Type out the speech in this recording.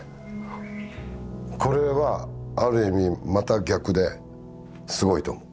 これはある意味また逆ですごいと思う。